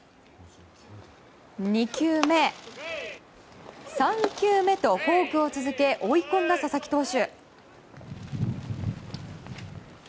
２球目、３球目とフォークを続け追い込んだ佐々木投手。